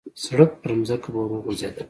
سړپ پرځمکه به ور وغورځېدله.